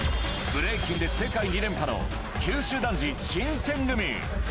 ブレイキンで世界２連覇の九州男児しんせんぐみ。